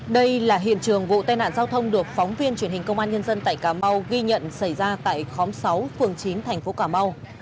đây là hiện trường vụ tai nạn giao thông được phóng viên truyền hình công an nhân dân tại cà mau ghi nhận xảy ra tại khóm sáu phường chín thành phố cà mau